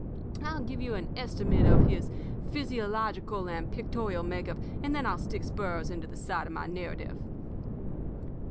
"I'll give you an estimate of his physiological and pictorial make up, and then I'll stick spurs into the sides of my narrative.